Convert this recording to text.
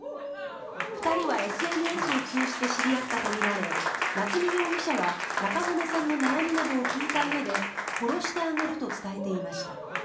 ２人はＳＮＳを通じて知り合ったとみられ夏見容疑者は中込さんの悩みなどを聞いたうえで殺してあげると伝えていました。